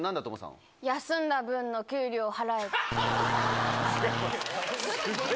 休んだ分の給料払え。